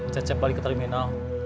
cecep balik ke terminal